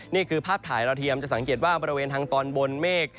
นี่คือภาพถ่ายเราเทียมจะสังเกตว่าบริเวณทางตอนบนเมฆ